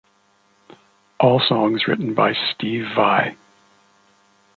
All songs written by Steve Vai.